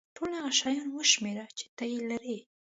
ټول هغه شیان وشمېره چې ته یې لرې.